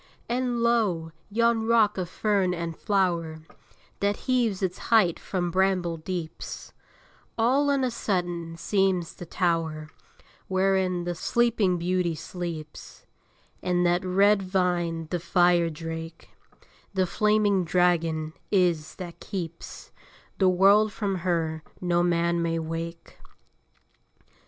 And, lo! yon rock of fern and flower, That heaves its height from bramble deeps, All on a sudden seems the tower Wherein the Sleeping Beauty sleeps: And that red vine the fire drake, The flaming dragon, is, that keeps The world from her no man may wake.